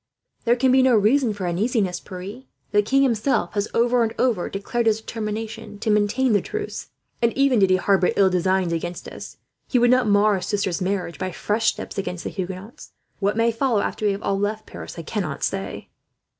"There can be no reason for uneasiness, Pierre. The king himself has, over and over, declared his determination to maintain the truce and, even did he harbour ill designs against us, he would not mar his sister's marriage by fresh steps against the Huguenots. What may follow, after we have all left Paris, I cannot say."